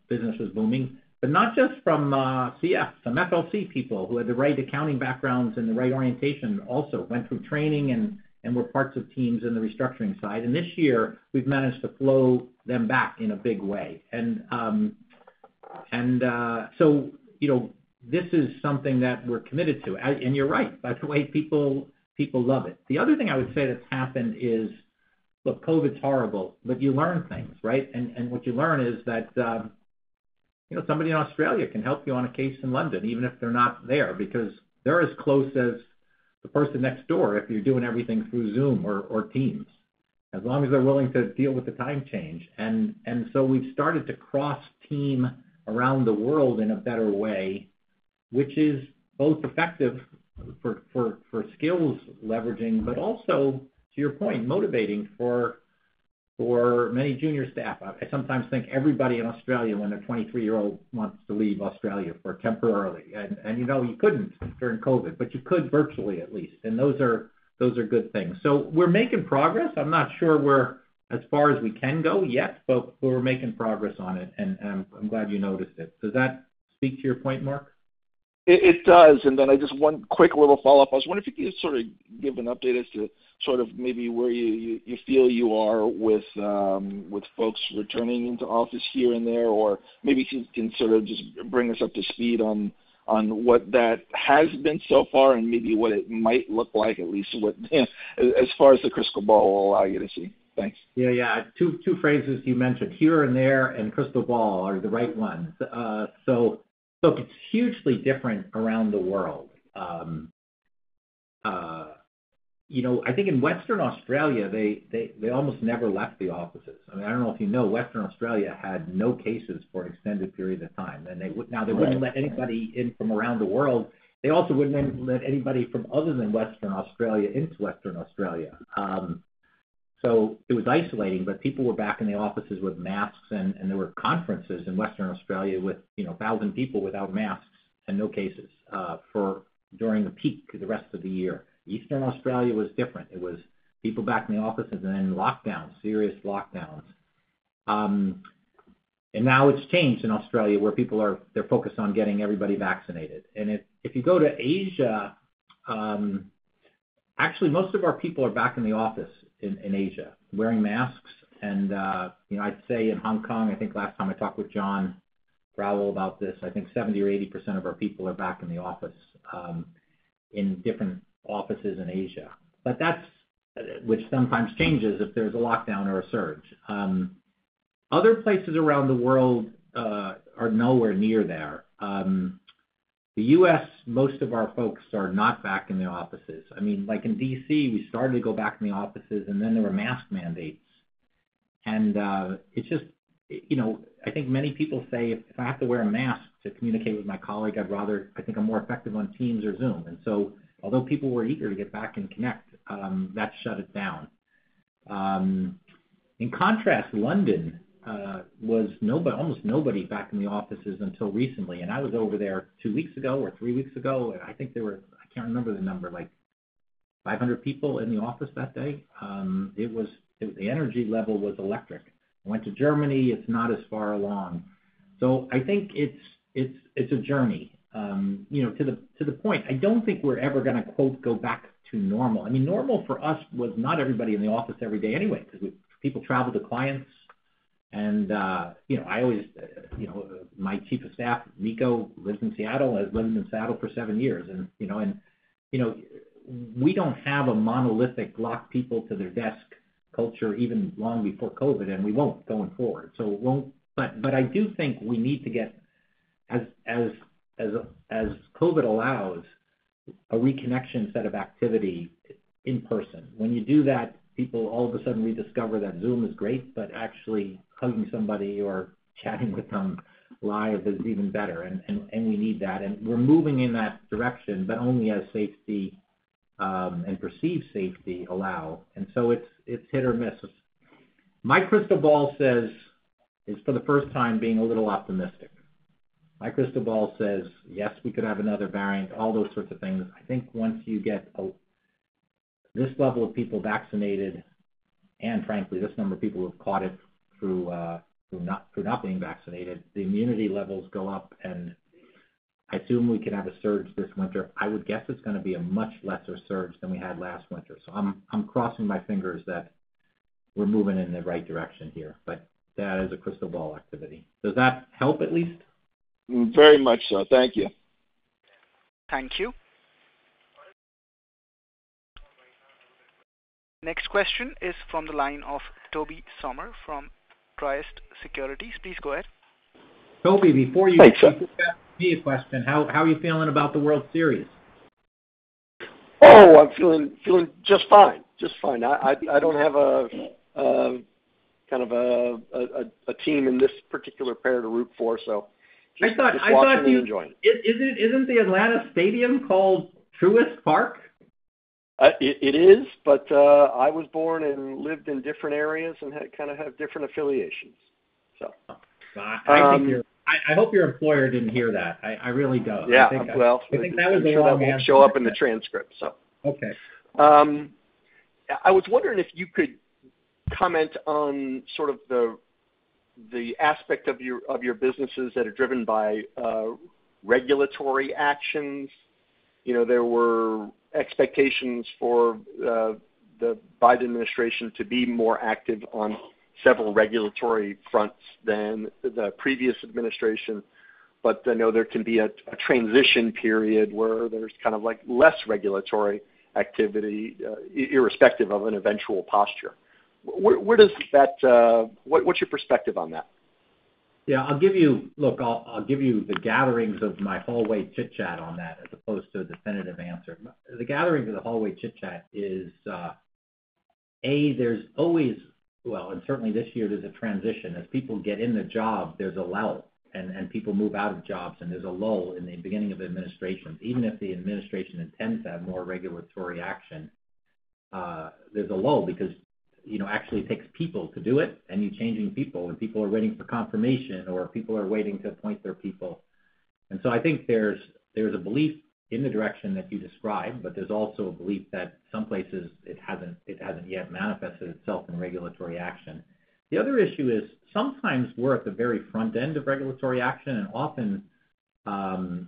business was booming, but not just from CF, some FLC people who had the right accounting backgrounds and the right orientation also went through training and were parts of teams in the restructuring side. This year, we've managed to flow them back in a big way. You know, this is something that we're committed to. You're right. By the way, people love it. The other thing I would say that's happened is, look, COVID's horrible, but you learn things, right? What you learn is that, you know, somebody in Australia can help you on a case in London, even if they're not there, because they're as close as the person next door if you're doing everything through Zoom or Teams, as long as they're willing to deal with the time change. We've started to cross-team around the world in a better way, which is both effective for skills leveraging, but also to your point, motivating for many junior staff. I sometimes think everybody in Australia, when a 23-year-old wants to leave Australia temporarily, you know, you couldn't during COVID, but you could virtually at least; those are good things. We're making progress. I'm not sure we're as far as we can go yet, but we're making progress on it, and, I'm glad you noticed it. Does that speak to your point, Marc? It does. Just one quick little follow-up. I was wondering if you could sort of give an update as to sort of maybe where you feel you are with folks returning into office here and there, or maybe if you can sort of just bring us up to speed on what that has been so far and maybe what it might look like, at least what as far as the crystal ball will allow you to see. Thanks. Yeah. Two phrases you mentioned, here and there, and crystal ball are the right ones. Look, it's hugely different around the world. You know, I think in Western Australia, they almost never left the offices. I mean, I don't know if you know, Western Australia had no cases for an extended period of time. Then they would— Right. Now, they wouldn't let anybody in from around the world. They also wouldn't let anybody from other than Western Australia into Western Australia. So it was isolating, but people were back in the offices with masks, and there were conferences in Western Australia with, you know, 1,000 people without masks and no cases during the peak the rest of the year. Eastern Australia was different. It was people back in the offices and then lockdowns, serious lockdowns. Now it's changed in Australia, where people are, they're focused on getting everybody vaccinated. If you go to Asia, actually most of our people are back in the office in Asia wearing masks. You know, I'd say in Hong Kong, I think last time I talked with Jon Rowell about this, I think 70% or 80% of our people are back in the office, in different offices in Asia. But that sometimes changes if there's a lockdown or a surge. Other places around the world are nowhere near there. The U.S., most of our folks are not back in the offices. I mean, like in D.C., we started to go back in the offices, and then there were mask mandates. It's just, you know, I think many people say, "If I have to wear a mask to communicate with my colleague, I'd rather. I think I'm more effective on Teams or Zoom." Although people were eager to get back and connect, that shut it down. In contrast, London was almost nobody back in the offices until recently. I was over there two weeks ago or three weeks ago, and I think there were, I can't remember the number, like 500 people in the office that day. The energy level was electric. I went to Germany, it's not as far along. I think it's a journey. You know, to the point, I don't think we're ever gonna, quote, "go back to normal." I mean, normal for us was not everybody in the office every day anyway, 'cause people travel to clients and, you know, I always, you know. My Chief of Staff, Nico, lives in Seattle, has lived in Seattle for seven years and, you know, we don't have a monolithic lock-people-to-their-desk culture even long before COVID, and we won't going forward. It won't. I do think we need to get, as COVID allows, a reconnection set of activity in person. When you do that, people all of a sudden rediscover that Zoom is great, but actually hugging somebody or chatting with them live is even better. We need that, and we're moving in that direction, but only as safety and perceived safety allow. It's hit or miss. My crystal ball says it's for the first time being a little optimistic. My crystal ball says, yes, we could have another variant, all those sorts of things. I think once you get this level of people vaccinated and frankly this number of people who have caught it through not being vaccinated, the immunity levels go up, and I assume we could have a surge this winter. I would guess it's gonna be a much lesser surge than we had last winter. I'm crossing my fingers that we're moving in the right direction here. That is a crystal ball activity. Does that help at least? Very much so. Thank you. Thank you. Next question is from the line of Tobey Sommer from Truist Securities. Please go ahead. Tobey, before you— Thanks. Before you ask me a question, how are you feeling about the World Series? Oh, I'm feeling just fine. Just fine. I don't have a kind of a team in this particular pair to root for. I thought you— Just watching and enjoying. Isn't the Atlanta stadium called Truist Park? It is, but I was born and lived in different areas and had kinda have different affiliations, so. Oh. Uhm— I get you. I hope your employer didn't hear that. I really do. Yeah, well. I think that was the wrong answer. I'm sure that won't show up in the transcript, so. Okay. I was wondering if you could comment on sort of the aspect of your businesses that are driven by regulatory actions. You know, there were expectations for the Biden administration to be more active on several regulatory fronts than the previous administration. I know there can be a transition period where there's kind of like less regulatory activity, irrespective of an eventual posture. Where does that. What's your perspective on that? Yeah. Look, I'll give you the gatherings of my hallway chitchat on that as opposed to a definitive answer. The gathering of the hallway chitchat is, A, there's always—well, certainly this year there's a transition. As people get in the job, there's a lull, and people move out of jobs, and there's a lull in the beginning of administrations. Even if the administration intends to have more regulatory action, there's a lull because, you know, actually it takes people to do it, and you're changing people, and people are waiting for confirmation, or people are waiting to appoint their people. I think there's a belief in the direction that you describe, but there's also a belief that some places it hasn't yet manifested itself in regulatory action. The other issue is sometimes we're at the very front end of regulatory action, and often,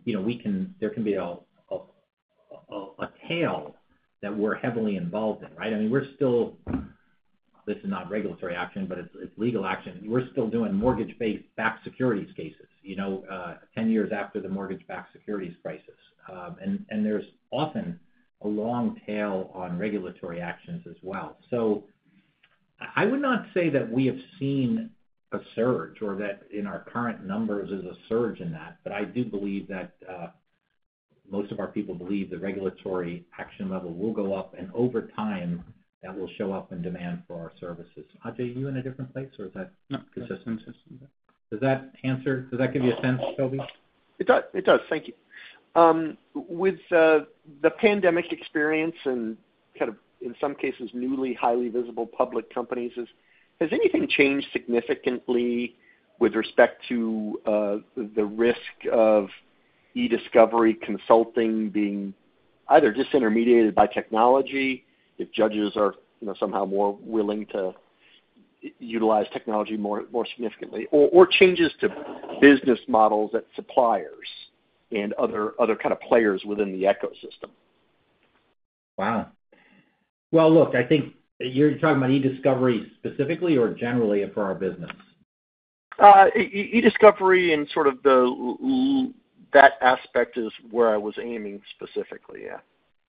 you know, there can be a tail that we're heavily involved in, right? I mean, we're still. This is not regulatory action, but it's legal action. We're still doing mortgage-backed securities cases, you know, 10 years after the mortgage-backed securities crisis. There's often a long tail on regulatory actions as well. I would not say that we have seen a surge or that in our current numbers there's a surge in that, but I do believe that most of our people believe the regulatory action level will go up, and over time, that will show up in demand for our services. Ajay, you in a different place or is that— No. Consistent. Does that give you a sense, Tobey? It does. Thank you. With the pandemic experience and kind of in some cases, newly highly visible public companies, has anything changed significantly with respect to the risk of e-discovery consulting being either disintermediated by technology if judges are, you know, somehow more willing to utilize technology more significantly, or changes to business models at suppliers and other kind of players within the ecosystem? Wow. Well, look, I think you're talking about e-discovery specifically or generally for our business? E-discovery and sort of that aspect is where I was aiming specifically, yeah.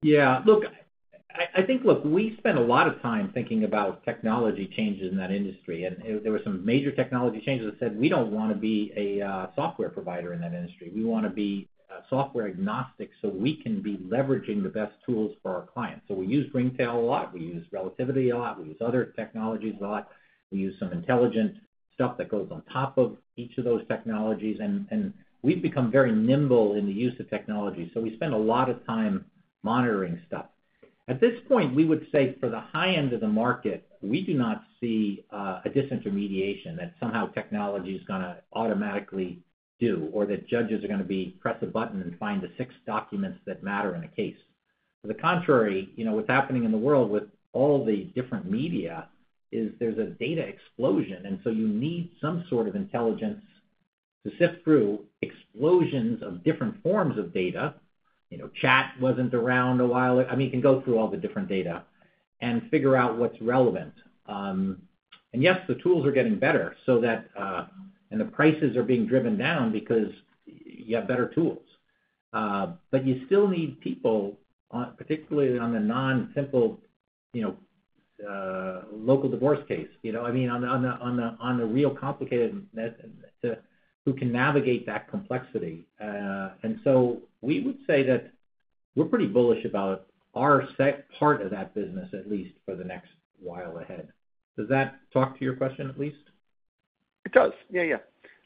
Yeah. Look, I think we spend a lot of time thinking about technology changes in that industry, and there were some major technology changes that said, we don't wanna be a software provider in that industry. We wanna be software agnostic, so we can be leveraging the best tools for our clients. We use Ringtail a lot. We use Relativity a lot. We use other technologies a lot. We use some intelligent stuff that goes on top of each of those technologies. We've become very nimble in the use of technology, so we spend a lot of time monitoring stuff. At this point, we would say for the high end of the market, we do not see a disintermediation that somehow technology is gonna automatically do or that judges are gonna press a button and find the six documents that matter in a case. To the contrary, you know, what's happening in the world with all the different media is there's a data explosion, and so you need some sort of intelligence to sift through explosions of different forms of data. You know, I mean, you can go through all the different data and figure out what's relevant. Yes, the tools are getting better so that and the prices are being driven down because you have better tools. You still need people, particularly on the non-simple, you know, local divorce case, you know what I mean? On the real complicated mess, who can navigate that complexity. We would say that we're pretty bullish about our part of that business, at least for the next while ahead. Does that talk to your question at least? It does. Yeah, yeah.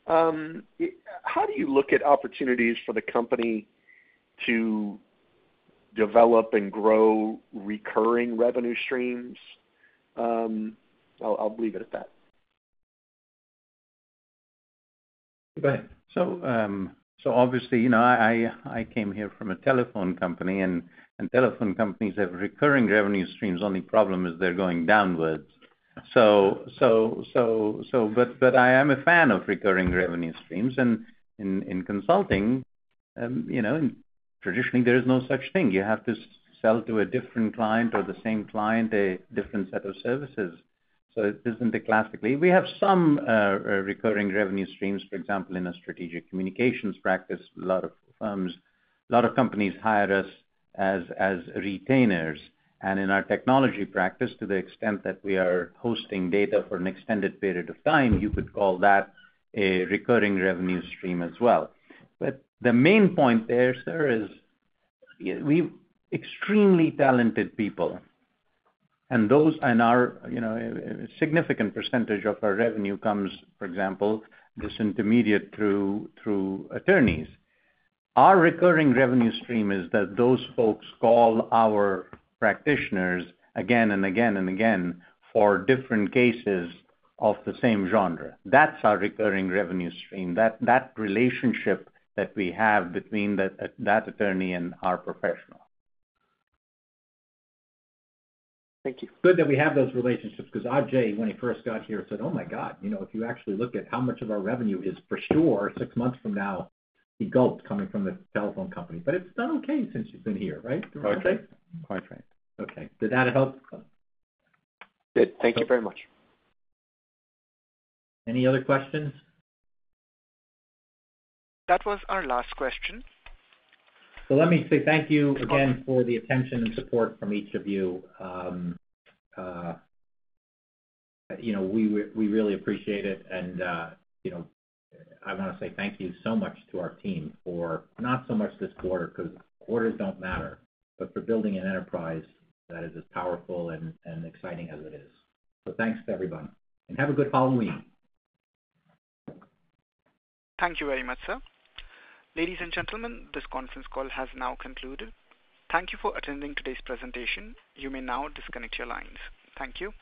How do you look at opportunities for the company to develop and grow recurring revenue streams? I'll leave it at that. Go ahead. Obviously, you know, I came here from a telephone company, and telephone companies have recurring revenue streams. Only problem is they're going downwards. I am a fan of recurring revenue streams. In consulting, you know, traditionally there is no such thing. You have to sell to a different client or the same client a different set of services. We have some recurring revenue streams, for example, in our Strategic Communications practice. A lot of firms, a lot of companies hire us as retainers. In our Technology practice, to the extent that we are hosting data for an extended period of time, you could call that a recurring revenue stream as well. The main point there, sir, is we have extremely talented people, and those and our, you know, a significant percentage of our revenue comes, for example, disintermediated through attorneys. Our recurring revenue stream is that those folks call our practitioners again and again and again for different cases of the same genre. That's our recurring revenue stream. That relationship that we have between that attorney and our professional. Thank you. Good that we have those relationships because Ajay, when he first got here, said, "Oh, my God, you know, if you actually look at how much of our revenue is for sure six months from now," he gulped coming from the telephone company. It's done okay since you've been here, right, Ajay? Quite right. Okay. Did that help? It did. Thank you very much. Any other questions? That was our last question. Let me say thank you again for the attention and support from each of you. You know, we really appreciate it. You know, I wanna say thank you so much to our team for not so much this quarter, 'cause quarters don't matter, but for building an enterprise that is as powerful and exciting as it is. Thanks to everyone, and have a good Halloween. Thank you very much, sir. Ladies and gentlemen, this conference call has now concluded. Thank you for attending today's presentation. You may now disconnect your lines. Thank you.